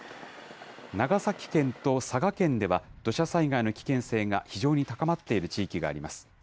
長崎県と佐賀県では、土砂災害の危険性が非常に高まっている地域があります。